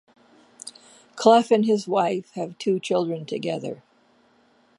Cluff and his wife have two children together.